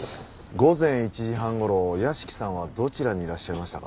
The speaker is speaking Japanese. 午前１時半頃屋敷さんはどちらにいらっしゃいましたか？